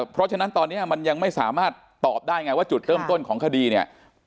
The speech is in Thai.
เพราะฉะนั้นตอนนี้มันยังไม่สามารถตอบได้ไงว่าจุดเริ่มต้นของคดีเนี่ย